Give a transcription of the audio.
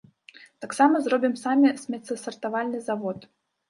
Таксама зробім самі смеццесартавальны завод.